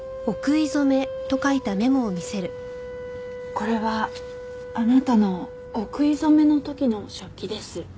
これはあなたのお食い初めの時の食器です。